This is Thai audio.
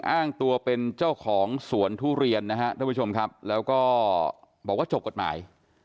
อ้างตัวเป็นเจ้าของสวนทุเรียนนะฮะแล้วก็บอกว่าจบกฎหมาย